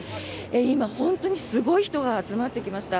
今、本当にすごい人が集まってきました。